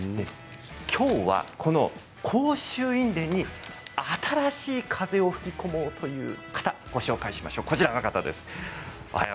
きょうはこの甲州印伝に新しい風を吹き込もうという方をご紹介しましょう。